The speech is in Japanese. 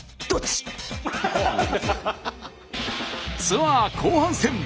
ツアー後半戦。